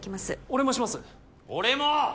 俺も！